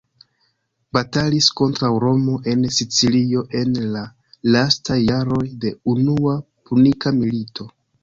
Batalis kontraŭ Romo en Sicilio en la lastaj jaroj de Unua Punika Milito.